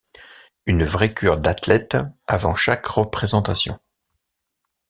Une vraie cure d’athlète avant chaque représentation.